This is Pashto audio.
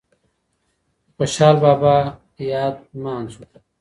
د خوشحال بابا یاد نمانځو